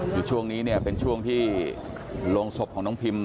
คือช่วงนี้เนี่ยเป็นช่วงที่โรงศพของน้องพิม